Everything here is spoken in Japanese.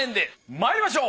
まいりましょう！